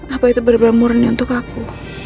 apa itu benar benar murni untuk aku